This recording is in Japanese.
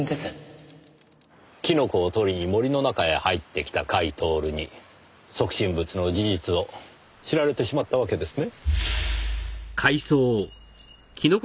キノコを採りに森の中へ入ってきた甲斐享に即身仏の事実を知られてしまったわけですね？